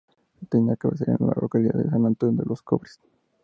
Tenía cabecera en la localidad de San Antonio de los Cobres.